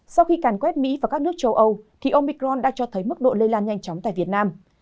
sau khi càn quét mỹ và các nước châu âu thì ông micron đã cho thấy mức độ lây lan nhanh chóng tại việt nam